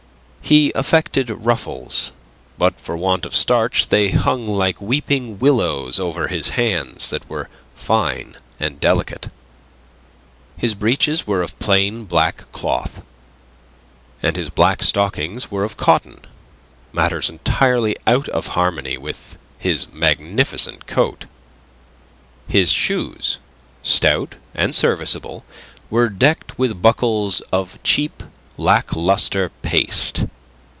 He affected ruffles, but for want of starch they hung like weeping willows over hands that were fine and delicate. His breeches were of plain black cloth, and his black stockings were of cotton matters entirely out of harmony with his magnificent coat. His shoes, stout and serviceable, were decked with buckles of cheap, lack lustre paste.